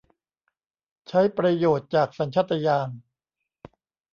ใช้ประโยชน์จากสัญชาตญาณ